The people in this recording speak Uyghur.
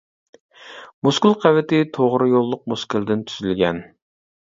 مۇسكۇل قەۋىتى توغرا يوللۇق مۇسكۇلدىن تۈزۈلگەن.